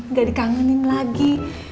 nggak dikangenin lagi